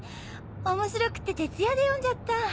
面白くって徹夜で読んじゃった！